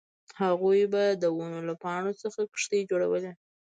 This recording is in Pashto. هغوی به د ونو له پاڼو څخه کښتۍ جوړولې